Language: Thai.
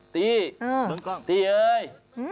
ตี้ตี้เอ้ย